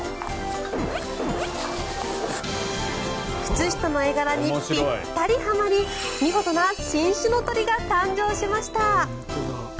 靴下の絵柄にぴったりはまり見事な新種の鳥が誕生しました。